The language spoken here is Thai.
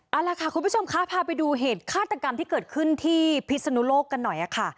เอาล่ะค่ะคุณผู้ชมคะพาไปดูเหตุฆาตกรรมที่เกิดขึ้นที่พิศนุโลกกันหน่อยค่ะ